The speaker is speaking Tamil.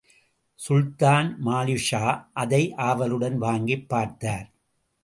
சுல்தான் மாலிக்ஷா, அதை ஆவலுடன் வாங்கிப் பார்த்தார்.